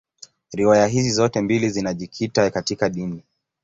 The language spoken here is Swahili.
Riwaya hizi zote mbili zinajikita katika dini.